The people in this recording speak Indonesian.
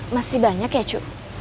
masih banyak ya cuk